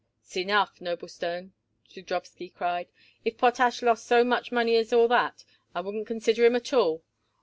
"S'enough, Noblestone," Zudrowsky cried. "If Potash lost so much money as all that, I wouldn't consider him at all.